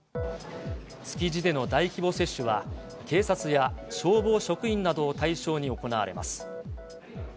築地での大規模接種は、警察や消防職員などを対象に行われます。